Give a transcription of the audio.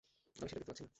আমি সেটা দেখতে পাচ্ছি না।